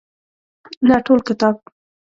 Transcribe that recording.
نه ټول کتاب.